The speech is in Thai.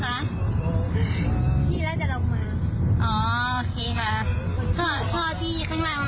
ทางขึ้นมันเจ็ดมานี้อากาศดีภาคใหม่ค่ะ